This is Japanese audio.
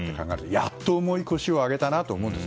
やっと重い腰を上げたなと思うんです。